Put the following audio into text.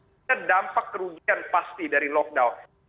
kita dampak kerugian pasti dari lockdown